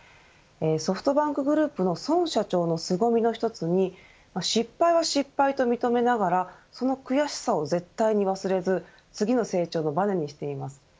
ソフトバンクグループの孫社長の凄みの一つに失敗は失敗と認めながらその悔しさを絶対に忘れず次の成長のばねにしています。